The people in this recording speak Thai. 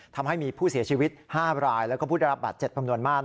ทำให้มีผู้เสียชีวิต๕รายแล้วก็ผู้ได้รับบาดเจ็บจำนวนมาก